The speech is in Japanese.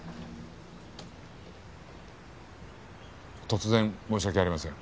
突然申し訳ありません。